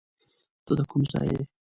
ته د کوم ځای یې؟